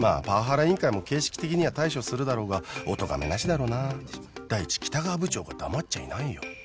パワハラ委員会も形式的には対処するだろうがおとがめなしだろうなあ第一北川部長が黙っちゃいないよ